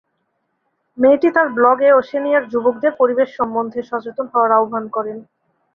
মেয়েটি তার ব্লগে ওশেনিয়ার যুবকদের পরিবেশ সম্বন্ধে সচেতন হওয়ার আহ্বান করেন।